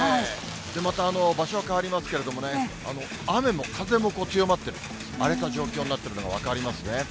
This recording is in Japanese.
また場所は変わりますけどね、雨も風も強まっている、荒れた状況になってるのが分かりますね。